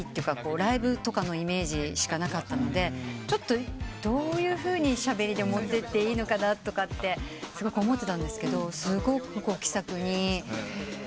ライブとかのイメージしかなかったのでちょっとどういうふうにしゃべりで持ってっていいのかすごく思ってたんですけどすごく気さくに。